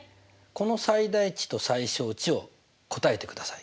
この最大値と最小値を答えてください。